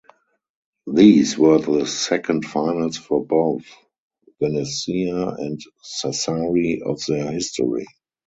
These were the second Finals for both Venezia and Sassari of their history.